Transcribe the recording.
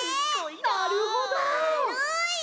なるほど！